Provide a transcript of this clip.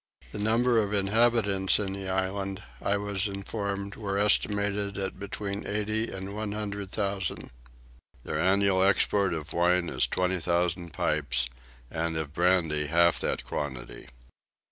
The number of inhabitants in the island I was informed were estimated at between eighty and one hundred thousand. Their annual export of wine is twenty thousand pipes and of brandy half that quantity.